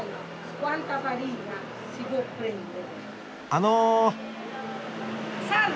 あの。